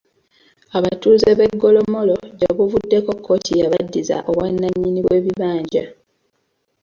Abatuuze b’e Golomolo gye buvuddeko kkooti yabaddiza obwannannyini bw’ebibanja.